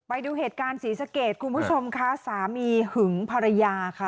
ไปดูเหตุการณ์ศรีสะเกดคุณผู้ชมค่ะสามีหึงภรรยาค่ะ